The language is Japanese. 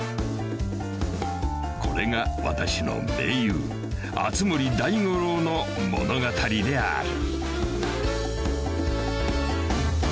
［これが私の盟友熱護大五郎の物語である］